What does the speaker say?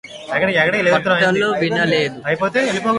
పాఠాలు వినలేడు